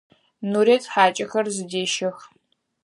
Нурыет хьакӏэхэр зыдещэх.